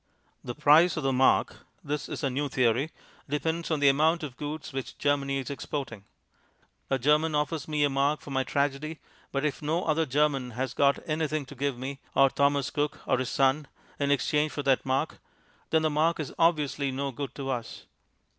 The price of the mark (this is our new theory) depends on the amount of goods which Germany is exporting. A German offers me a mark for my tragedy, but if no other German has got anything to give me, or Thomas Cook or his Son, in exchange for that mark, then the mark is obviously no good to us.